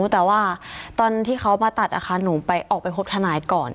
แต่ว่าตอนที่เขามาตัดนะคะหนูไปออกไปพบทนายก่อน